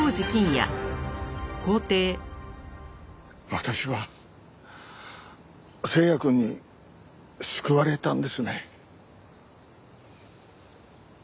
私は星也くんに救われたんですね。